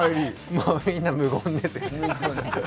みんな無言です。